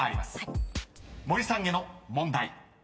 森さんへの問題］